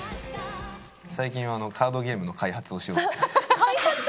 最近はカードゲームの開発を開発？